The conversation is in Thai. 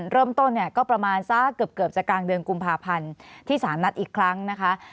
เริ่มต้นเนี่ยก็ประมาณสักเกือบจะกลางเดือนกุมภาพันธ์ที่สารนัดอีกครั้งนะคะ